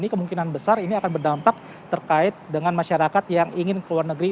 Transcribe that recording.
kemungkinan besar ini akan berdampak terkait dengan masyarakat yang ingin keluar negeri